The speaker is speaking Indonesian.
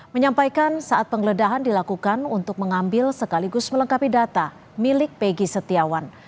menyampaikan saat penggeledahan dilakukan untuk mengambil sekaligus melengkapi data milik peggy setiawan